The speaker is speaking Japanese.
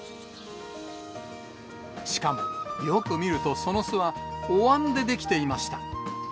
しかも、よく見るとその巣は、おわんで出来ていました。